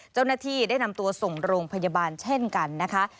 เจ้าหน้าที่ได้นำตัวส่งโรงพยาบาลเช่นกันนะคะ